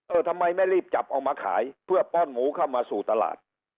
ทำไมไม่รีบจับเอามาขายเพื่อป้อนหมูเข้ามาสู่ตลาด